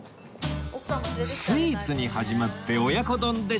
スイーツに始まって親子丼でシメ